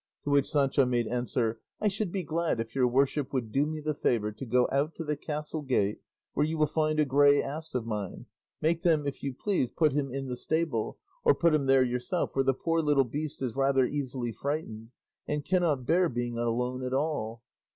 To which Sancho made answer, "I should be glad if your worship would do me the favour to go out to the castle gate, where you will find a grey ass of mine; make them, if you please, put him in the stable, or put him there yourself, for the poor little beast is rather easily frightened, and cannot bear being alone at all."